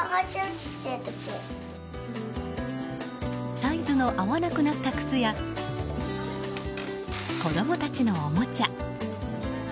サイズの合わなくなった靴や子供たちのおもちゃ。